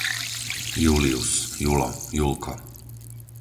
Július, Julo, Julko